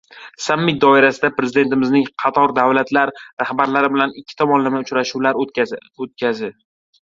Sammit doirasida Prezidentimizning qator davlatlar rahbarlari bilan ikki tomonlama uchrashuvlar o‘tkazi